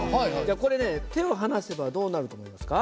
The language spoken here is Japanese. これね手を離せばどうなると思いますか？